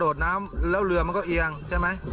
ดน้ำแล้วเรือมันก็เอียงใช่ไหม